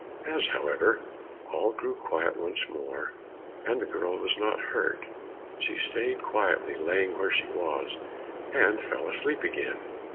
As, however, all grew quiet once more, and the girl was not hurt, she stayed quietly lying where she was, and fell asleep again.